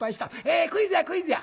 「えクイズやクイズや！」。